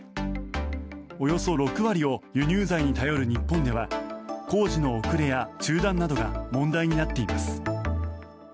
およそ６割を輸入材に頼る日本では工事の遅れや中断などが問題になっています。